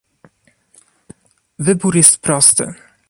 Wybór jest prosty